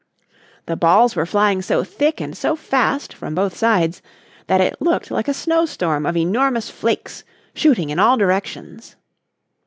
The balls were flying so thick and so fast, from both sides, that it looked like a snow storm of enormous flakes shooting in all directions.